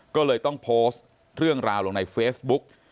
ก็เลยต้องโพสต์เรื่องราวลงในเฟซบุ๊ก